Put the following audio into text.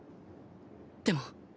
でも